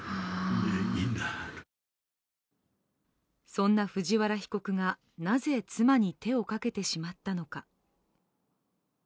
そんな藤原被告がなぜ妻に手をかけてしまったのか。